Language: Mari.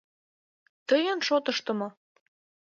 — Тыйын шотышто мо?